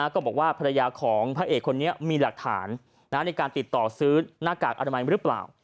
ก็บอกว่าภรรยาของพระเอกคนนี้มีหลักฐานในการติดต่อซื้อหน้ากากอนามัยหรือเปล่า